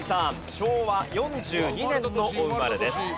昭和４２年のお生まれです。